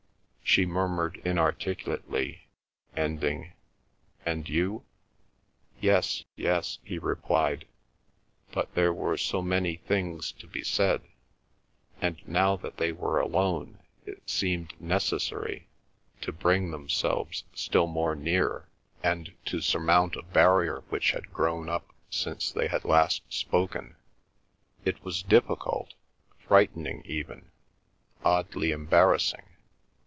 She murmured inarticulately, ending, "And you?" "Yes, yes," he replied; but there were so many things to be said, and now that they were alone it seemed necessary to bring themselves still more near, and to surmount a barrier which had grown up since they had last spoken. It was difficult, frightening even, oddly embarrassing.